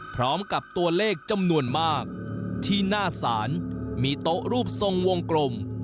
พร้อมกับตัวเลขจำนวนมากที่หน้าศาลมีโต๊ะรูปทรงวงกลม